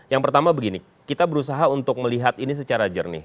yang pertama begini kita berusaha untuk melihat ini secara jernih